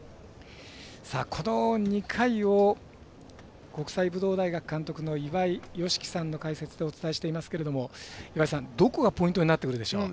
この２回を国際武道大学監督の岩井美樹さんの解説でお伝えしておりますけど岩井さん、どこがポイントになってくるでしょうか？